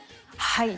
はい。